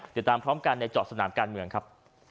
ติดตามพร้อมกันในเจาะสนามการเมืองครับ